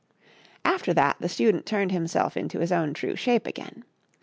After that the Student turned himself into his own true shape again.